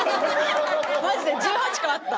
マジで１８個あった。